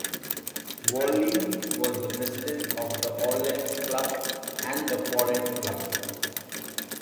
Werlein was the president of the "Orleans Club" and the "Quarante Club".